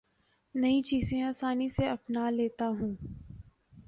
نئی چیزیں آسانی سے اپنا لیتا ہوں